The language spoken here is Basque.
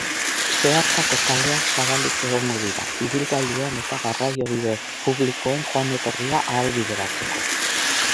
Zeharkako kaleak zabalik egongo dira, ibilgailuen eta garraiobide publikoen joan-etorria ahalbideratzeko.